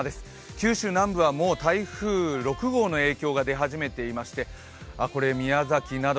九州南部は台風６号の影響が出始めていまして宮崎など、